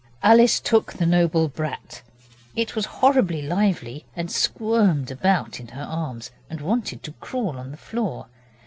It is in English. Alice took the noble brat. It was horribly lively, and squirmed about in her arms, and wanted to crawl on the floor.